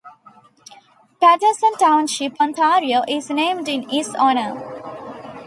Patterson Township, Ontario is named in his honour.